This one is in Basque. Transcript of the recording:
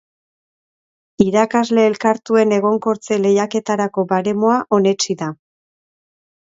Irakasle elkartuen egonkortze-lehiaketarako baremoa onetsi da.